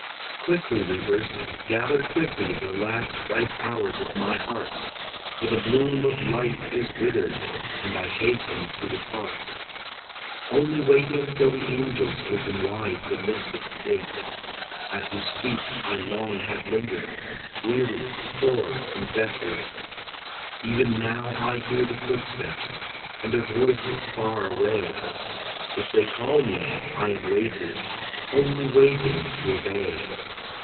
Quickly, reapers! gather quickly The last ripe hours of my heart, For the bloom of life is withered, And I hasten to depart. Only waiting till the angels Open wide the mystic gate, At whose feet I long have lingered, Weary, poor, and desolate. Even now I hear the footsteps, And their voices far away; If they call me, I am waiting, Only waiting to obey.